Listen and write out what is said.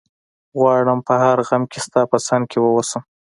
غواړم په هر غم کي ستا په څنګ کي ووسم